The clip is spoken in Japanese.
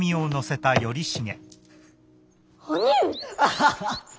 ハハハ！